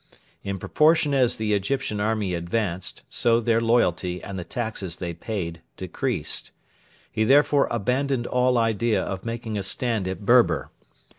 In proportion as the Egyptian army advanced, so their loyalty and the taxes they paid decreased. He therefore abandoned all idea of making a stand at Berber.